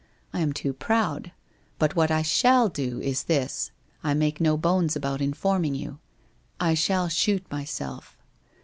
I am too proud. But what I shall do is this: I make no bones about informing you. I shall shoot myself.